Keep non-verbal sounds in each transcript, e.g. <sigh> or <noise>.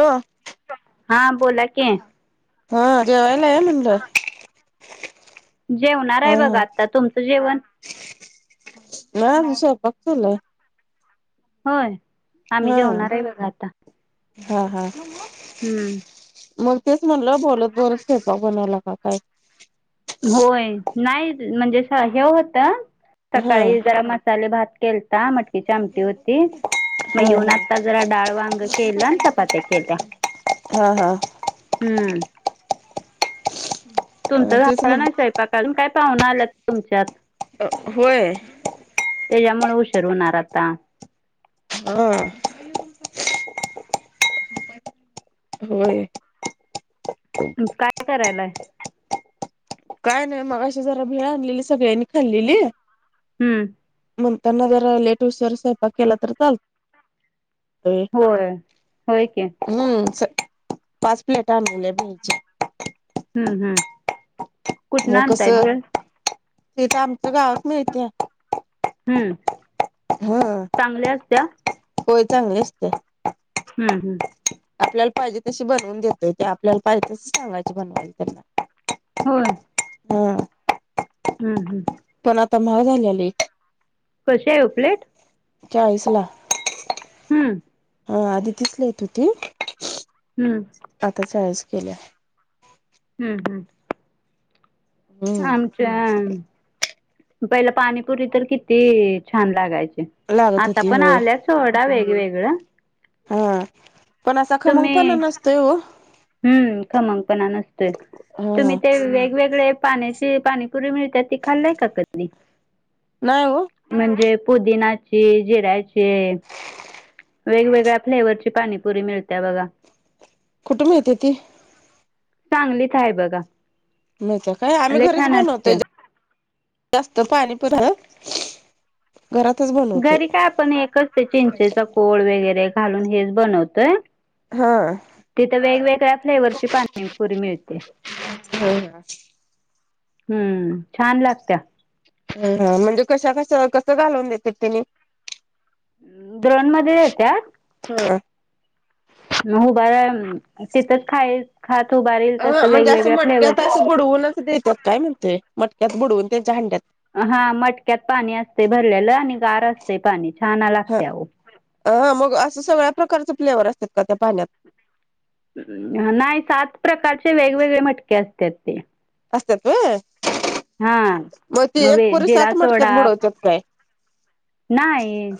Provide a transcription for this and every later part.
हो हां बोला की हा जवला मुणला जेवणार आहे बघा आता तुमचं जेवण मा तस पकचलाय होय आम्ही हा जेवणार आहे बघा आता हा हा हम्म मग तेच म्हटलं बोलत बोलत फेपाक बनवयला का काय होय नाही म्हणजे हे होत हा सकाळी जरा म मसाले भात केलता मटकीची आमटी होती मग हा येऊन आता जरा डाळ वांग केलं चपात्या केल्या हा हा हम्म हा तुमचं तेच म्हण झाण स्वयपा कारण काय पाहुून आल्यात तुमच्यात अ होय त्याच्यामुळे उशीर होणार आता हम होय काय करायलाय काय नाही मग अशी जरा भिळ आणलेली सगळ्यांनी खाल्लेली हम्म मना रिटव्हस स्वप केलात चात होय होय क हम्म पाच प्लेट आणले भेज हम्म हम् मग कस ते तर आमच्या गावात मिळते हम्म चांगल्या असत्या होय चांगलं असते हम् हम् आपल्याला पाहिजे तशी बनवून देतोय ते आपल्याला पाहिजे तस सांगायचे बनवायची त्यांना होय हम् हम्म हम् पण आता महा झाले आलं एक कशी आहे प्लेट चाळीस लाख हम्म हा. आधी <unintelligible> हम्. आताच्या आळस केल्या आहे. हम्म हम्म हम्म आमच्या पहिला पाणीपुरी तर किती छान लागायचे लागत आता होती पण होय आल्यास सोडा वेगवेगळ. हा. पण असा खमंग पण तुम्ही नसतोय हो. हम्म. खमंगपणा नसतोय. हा तुम्ही ते वेगवेगळे पाण्या- ते पाणीपुरी मिळत ते खाल्लय का कधी? नाही हो. म्हणजे पुदिनाची, जिऱ्याची- वेगवेगळ्या फ्लेवरची पाणीपुरी मिळतिया बघा. कुठ मिळते ती? सांगलीत आहे बघा. नाहीत काय. आम्ही लय घरीच छान बनवतोय असते. जास्त पाणी पुर- घरातच बन - घरी काय आपण एकच ते चिंचेचा कोळ वगैरे घालून हेच बनवतोय. हो. तिथं वेगवेगळ्या फ्लेवरची पाणीपुरी मिळते. हा हा. हम्म. छान लागत. ह हा. म्हणजे कशा कस कसं घालवून देते तिने? द्रोणमध्ये देत्यात. होय. मग उभारा तिथंच खाईल खात उभारल अ तस म्हणजे असं वेगवेगळ्या फ्लेवर- मटक्यात असं बुडवूनच देतात काय म्हणतोय? मटक्यात बुडवून त्यांच्या हांड्यात- हा. मटक्यात पाणी असतय भरलेलं आणि गार असतय पाणी. छान ह लागते हो. हा. मग असं सगळ्या प्रकारचे फ्लेवर असतात का त्या पाण्यात? नाही सात प्रकारचे वेगवेगळे मटके असतात. ते. असतात व्हय. हा मग ती एक पुरी जिरा सात मटक्यात सोडा बुडवत्यात काय? नाही.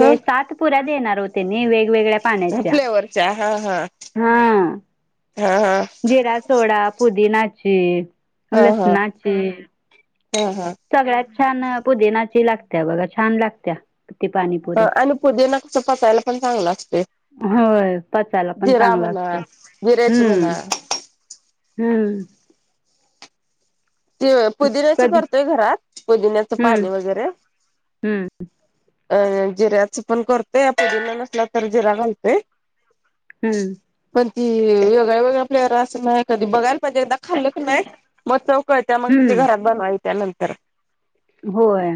ह व सात पुऱ्या देणार हो तेनि वेगवेगळ्या पाण्याच्या. अच्छा हा हा. हा. हा हा जिरा सोडा पुदीनाची. लसनाची. हो हो. सगळ्यात छान पुदिनाची लागतेया बघा. छान लागतेया. ती पाणीपु री. हो आणि पुदिना कसं पचायला पण चांगलं असतेय. होय. पचायला पण चांगलं असतय. जिऱ्याची हम्म. म्हणा हम्म. ते पुदिन्याची कधी करतेय घरात. पुदिन्याच हम्म पाणी वगैरे- हम्म अ जिऱ्याच पण करतोय. आ - पुदिना नसला तर जिरा घालतोय. हम्म. पण ती वेगळ्या वेगळ्या प्लेवर असं नाही. कधी बघायला पाहिजे. एकदा खाल्लं की नाही मग चव - कळतेया मग हम्म घरात बनवाय त्या नंतर. होय.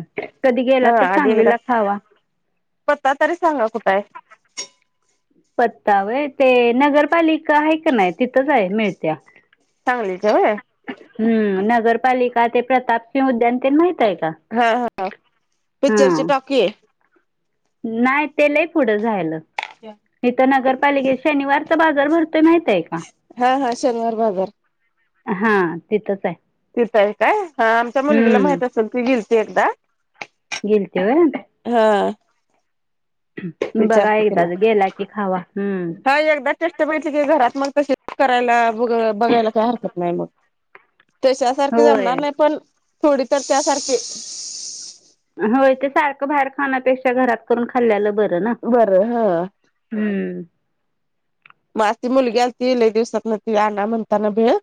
कधी गेला हा तर आधी एकदा सांगलीला खावा. पत्ता तरी सांगा कुठंय? पत्ता व्हय. ते नगरपालिका आहे का नाही तिथंच आहे मिळतेया. सांगलीत. हव हम्म. नगरपालिका ते प्रताप सिह- जनते माहित आहे का? हा हा ह. पिक्चरची टॉकी आहे नाही तेलाही पुढं झायलं इथ नगरपालिकेत शनिवारचा बाजार भरतोय माहितय का? हा हा शनिवार बाजार हा तिथच आहे तिथं आहे काय ह आमच्या मुलगीला हम्म माहित असेल ती गेलते एकदा गेलतेव हा बघा विचारते तिला एकदाच गेला की खावा हम्म ष्टहि क घरात मग त करायला बघायला काय हरकत नाही मग तश सारखे होय जमणार नाही पण थोडी तर त्यासारखी होय ते सारखं बाहेर खाण्यापेक्षा घरात करून खाल्ल्यालं बरं ना बरं हा हम्म मगी मुलगी अस तल दिवसात न ती आण म्हणताना भेळ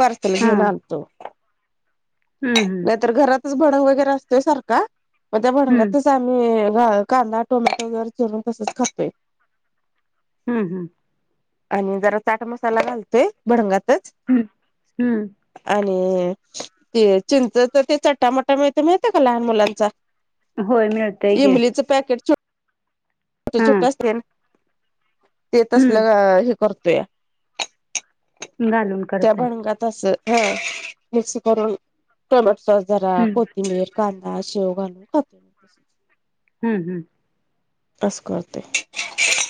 पर््सल हा घेऊन आण तो हम्म हम् घरातच भड वगर असतोय सार त्या भ हम्म ी कांदा टोमॅटो वगैरे चिरून तसच खाे हम् हम् आणि जरा चाट मसाला घालतोय भडंगातच हम्म हम्म आणि ते चिंचच ते चट्टामटा म मिळते का लहान मुलांचा होय मिळतय के पॅकट च छोटे छोटे असते ते हम्म तसलं हे करतोय घालून त्या करताय. बणंगात अस ह मिक्स करून टोमॅटो सॉस जरा हम्म कोथिंबीर ग शोगांू खात बस हं् हं असस करते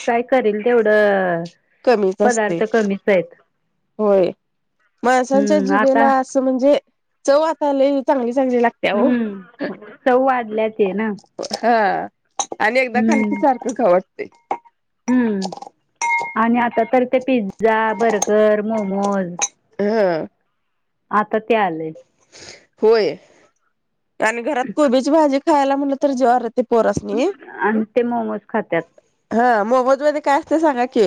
काय करेल तेवढं कमीच असते पदार्थ कमीच आहेत होय माणसांच्या हम्म आता जीभेला असं म्हणजे चवातालेय चांगली चांगली लागते हम्म सौ वाढल्याच ना हा आणि एकदा हम्म खणखी सारखं घावटते हम्म आणि आता तर ते पिझ्झा बर्गर मोमोज हा आता ते आले होय आणि घरात कोबीची भाजी खायला म्हटलं तर ज्र ते पोरसनी आणि ते मोमोज खातात हा मोफद मध्ये काय असते सांगा की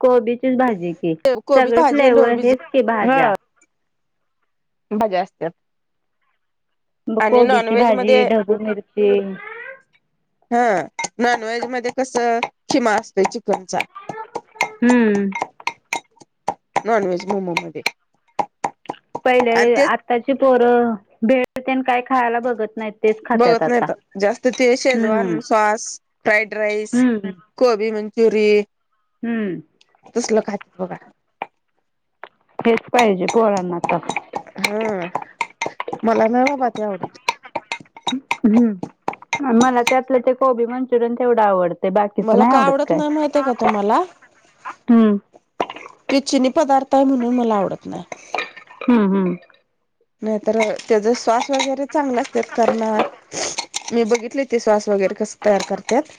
कोबीचीच भाजी की कोबी सगळे भाजी आणि फ्लेवर डोबीज हेच की भाज्या भजा असतत मग कोबीची भाजी ढगू मिरची हा नॉन व्हेज मध्ये कस खिमा असतोय चिकनचा हम्म नॉनवज मोमो मध्ये आणि पहिले तेच आत्ताची पोरं भे काही खायला बघत नाही तेच खातात बघत नाही आता तर हम् फ्राड राईस गबी मंचुरी हम्म तसलं खातात बघा हेच पाहिजे पोरांना तर हा मला नब ते आवडते ह्म मला त्यातलं ते कोबी मंचुरियन तेवढं आवडतं ते बाकीच मला नाही का आवडत काय नाही माहितय का हम्म त चिनी पदार्थ आहे म्हणून मला आवडत ना हम्म हम्म नाहीतर त्याचा श्वास वगैरे चांगला असत करणार मी बघितले ते स्वास वगैरे कस तयार करतात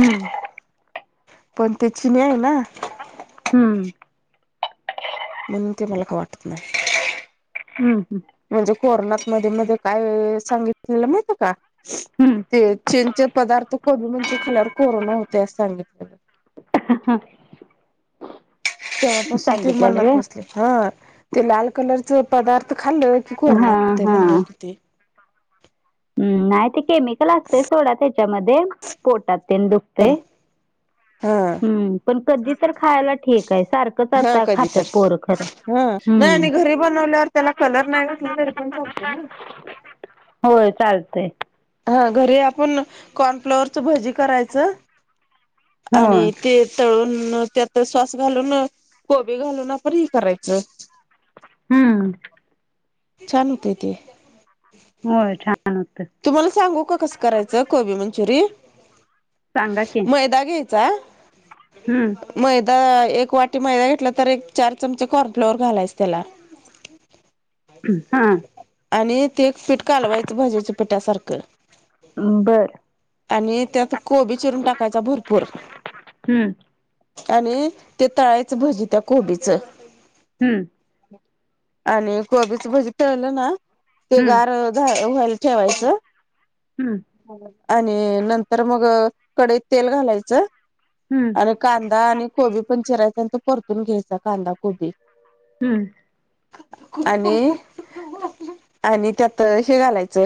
हम्म पण ते चिने आहे ना हम्म म्हणून ते मला का वाटत नाही हम् हम् म्हणजे कोर्नात मध्ये मध्ये काय सांगितलेलं माहित का हम्म. ते चेनचे पदार्थ को म्हणते खाल्यावर कोरोना होते अस सांगितलेलं हा तेव्हापासून ते सांगितलेलं मनात व्हय. बसले ह ते लाल कलर पदार्थ खाल्ल की कोरण हा होते म्हण त ते हम् नाही ते केमिकल असतय सोडा त्याच्यामध्ये पोटात ते दुखते हा हम्म पण कधी तर खायला ठीक आहे सारखंच आता खातात पोरक ह नाही आणि घरी बनवल्यावर त्याला कलर नाही घातला तरी पण सांगते ना होय चालतेय हा घरी आपण कॉर्नफ्लॉवरच भजी करायचं होय. आणि ते तळून त्यात स्वास घालून कोबी घालून आपण हे करायचं हम्म छान होतय ते होय छान होत तुम्हाला सांगू का कसं करायचं कोबी मंचुरियन सांगा की मैदा घ्या जा हम्म मैदा एक वाटी मैदा घेतला तर एक चार चमचे कॉर्नफ्लवर घालायच त्याला हा <unintelligible> <inaudible> आणि ते एक पीठ कालवायचं भाज्याच्या पिठासारखं बरं आणि त्यात कोबी चिरून टाकायचा भरपूर हम्म आणि ते तळायच भजी त्या कोबीचं हम्म आणि कोबीच भजी तळलं ना ते हम्म गार झा वय ठेवायचं हम्म हम्म आणि नंतर मग कडईत तेल घालायचं हम्म अन कांदा आणि कोबी पण चिरायचा आणि तो परतून घ्यायचा कांदा कोबी हम्म आणि आणि त्यात श घालायचें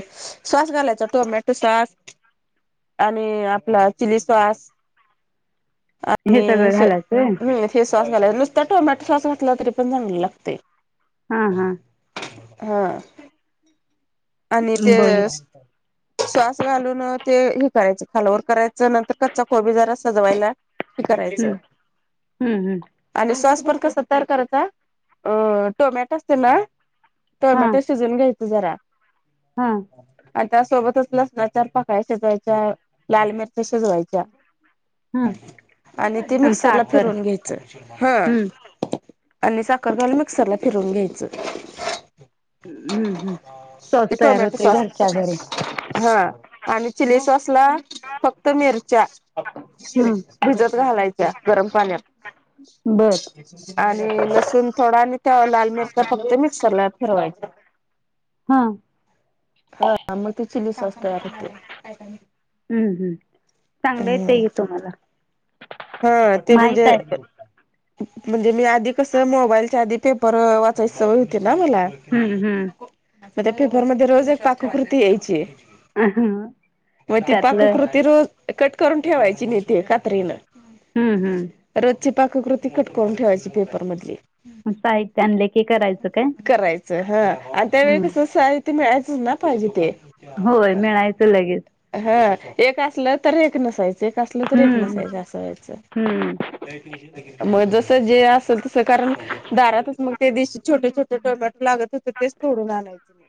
सॉस घालायच टोमॅटो सॉस आणि आपला चिली सॉस हे आणि सगळं घालायचं होय मी हे स्वास घालाय नुसत टोमॅटो स्वास घातला तरी पण चांगला लागते हा हा हा आणि ते बघ श्वास घालून ते हे करायच खालावर करायचं नंतर कच्चा कोबी जरा सजवायला हे करायचं हम्म हम्म हम्म आणि सॉस पण कसा तयार करायचा अ टोमॅटो असते ना हा टोमॅटो शिजवून घ्यायच जरा हा आ त्या सोबतच लसणा च्या चार पाकळया लाल मिरच्या शिजवायच्या हम्म आणि ते मिक्सरला फिरून घ्यायचं हा हम्म आणि साखर घालून मिक्सरला फिरवून घ्यायचं हम्म हम् स्वास ते तयार टोमॅटो होतोय सॉस घरच्या घरी हा आणि चिली सॉसला फक्त मिरच्या हम्म भिजत घालायच्या गरम पाण्यात बर <inaudible> आणि लसूण थोडा आणि त्या लाल मिरच्या फक्त मिक्सरला फिरवायच हां हा मग ते चिली सॉस तयार होते हम्म हम् चांगलं येतंय की तुम्हाला हा ते माहित म्हणजे आहे म्हणजे मी आधी कसं मोबाईलच्या आधी पेपर वाचायचय सवय होती ना मला हम्म हम्म म पेपर मध्ये रोज एक पाक कृती यायची हम्म मग पाक त्यातलं कृती र कट करून ठेवायची नि ते कात्रीन हम्म हम्म रोजची पाककृती कट करून ठेवायची पेपर मधली साहित्य आणले की करायचं काय करायचं हा आणि त्यावेळी कस हम्म असय ते मिळायचंच ना पाहिजे ते होय मिळायचं लगेच हा एक असलं तर एक नसायचं एक असलं तर एक हम्म नसायचं असं हम्म व्हायचं मग जस जे असेल तस कारण दारातच मग त्या दिशी छोटे छोटे टोमॅटो लागत होत तेच तोडून आणायचं मग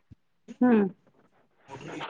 हम्म <inaudible>